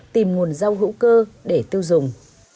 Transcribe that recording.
tìm nguồn rau hữu cơ để tiêu dùng